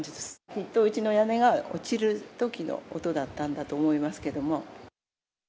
きっとうちの屋根が落ちるときの音だったんだと思いますけども。